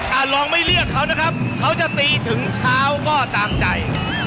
ลองไม่เลือกเขานะครับเขาจะตีถึงเช้าก็ตามใจ